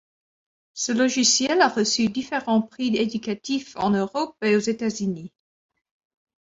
Ce logiciel a reçu différents prix éducatifs en Europe et aux États-Unis.